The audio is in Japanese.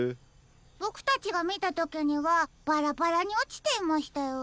ボクたちがみたときにはバラバラにおちていましたよ。